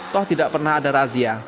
toh tidak pernah ada razia